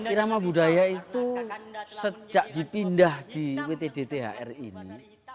irama budaya itu sejak dipindah di wtdthr ini